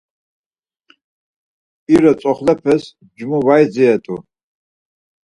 İro tzoxlepes ncumu var idziret̆u.